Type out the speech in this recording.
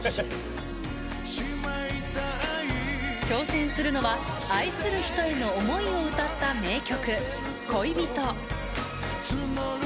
挑戦するのは愛する人への思いを歌った名曲。